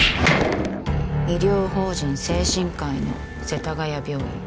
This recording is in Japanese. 医療法人誠新会の世田谷病院